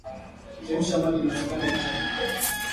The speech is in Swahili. Chemsha maji na sukari acha vipoe